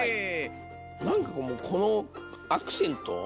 何かこうこのアクセント？